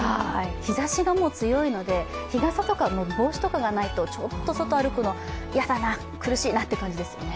日ざしがもう強いので、日傘とか帽子とかがないと、ちょっと外歩くの、嫌だな、苦しいなっていう感じですね。